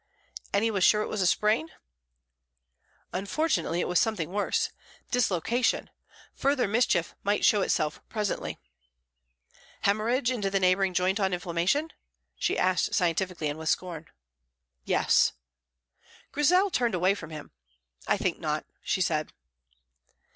And he was sure it was a sprain? Unfortunately it was something worse dislocation; further mischief might show itself presently. "Haemorrhage into the neighbouring joint on inflammation?" she asked scientifically and with scorn. "Yes." Grizel turned away from him. "I think not," she said.